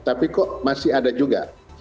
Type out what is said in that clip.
tapi kok masih ada juga